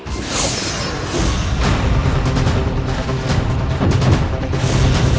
astagfirullahaladzim ya allah